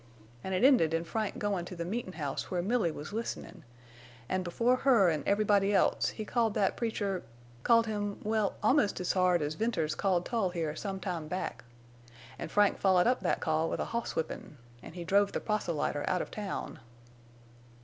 An' it ended in Frank goin' to the meetin' house where Milly was listenin', en' before her en' everybody else he called that preacher—called him, well, almost as hard as Venters called Tull here sometime back. An' Frank followed up that call with a hosswhippin', en' he drove the proselyter out of town.